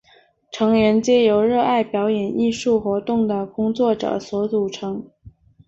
成员皆由热爱表演艺术活动的工作者所组成。